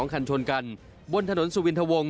คันชนกันบนถนนสุวินทวง